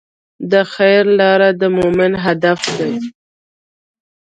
د خیر لاره د مؤمن هدف دی.